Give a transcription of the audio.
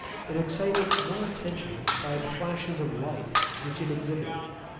It excited more attention by the flashes of light which it exhibited.